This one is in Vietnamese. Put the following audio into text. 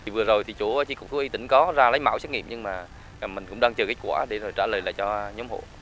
vừa rồi thì chủ y tỉnh có ra lấy mẫu xét nghiệm nhưng mà mình cũng đang chờ kết quả để rồi trả lời lại cho nhóm hộ